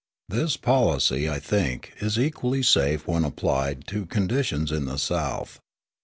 This policy, I think, is equally safe when applied to conditions in the South.